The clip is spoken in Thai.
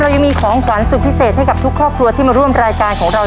ยังมีของขวัญสุดพิเศษให้กับทุกครอบครัวที่มาร่วมรายการของเรา